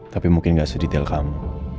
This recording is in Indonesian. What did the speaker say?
tapi mungkin gak sedetail kamu